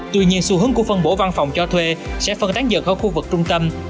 tuy nhiên xu hướng của phân bổ văn phòng cho thuê sẽ phân tán dần ở khu vực trung tâm